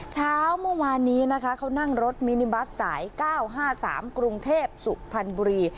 เช้าเมื่อวานนี้นะคะเขานั่งรถมินิบัสสาย๙๕๓กรุงเทพสุพรรณบุรี